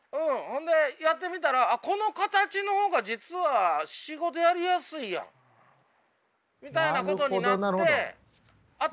ほんでやってみたらこの形の方が実は仕事やりやすいやんみたいなことになってなるほど。